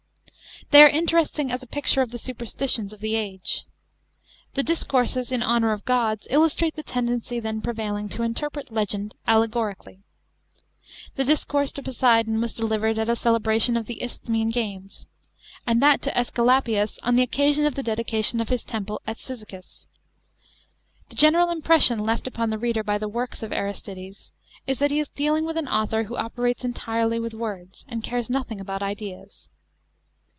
They are interesting as a picture of the superstitions of the age. The Discourses in honour of gods illustrate the tendency then prevailing to interpret It gend allegoricallv. The Discourse to Poseidon wa^ delivered at a celebration of the Isthmian games, and that to ^Esculapius on the occasion of the dedication of his temple at Cyzicus. The general impression left upon the reader by the works of Aristides is that he is dealing with an author who operates entirely with words, and cares nothing about ideas.